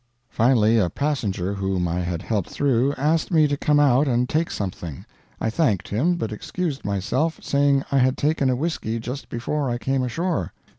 Finally a passenger whom I had helped through asked me to come out and take something. I thanked him, but excused myself, saying I had taken a whisky just before I came ashore.